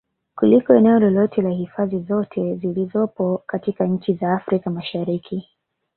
Kuliko eneo lolote la hifadhi zote zilizopo katika nchi za Afrika Mashariki